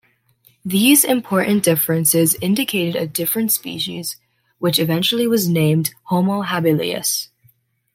These important differences indicated a different species, which eventually was named "Homo habilis".